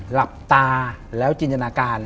หลับตาแล้วจินตนาการ